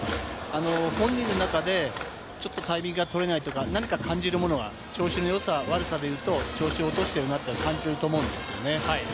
本人の中でちょっとタイミングが取れないとか何か感じるものが調子の良さ悪さでいうと、調子を落としてるなというのを感じると思うんですね。